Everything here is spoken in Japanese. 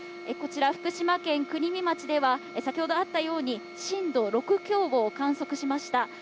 こちら福島県国見町では先ほどあったように震度６強を観測しました。